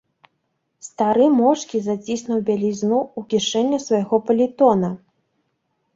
Стары моўчкі заціснуў бялізну ў кішэню свайго палітона.